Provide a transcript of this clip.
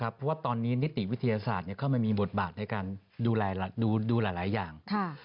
เพราะว่าตอนนี้นิติวิทยาศาสตร์เข้ามามีบทบาทในการดูหลายอย่าง